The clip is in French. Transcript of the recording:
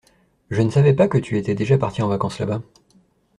Je ne savais pas que tu étais déjà parti en vacances là-bas.